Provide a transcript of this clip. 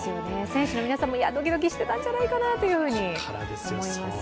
選手の皆さんもドキドキしてたんじゃないかなと思います。